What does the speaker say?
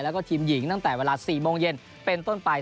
แล้วก็ทีมหญิงตั้งแต่เวลา๔โมงเย็นเป็นต้นไป